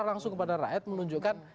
langsung kepada rakyat menunjukkan